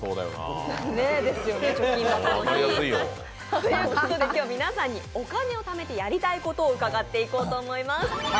ということで、皆さんにお金をためてやりたいことを伺っていこうと思います。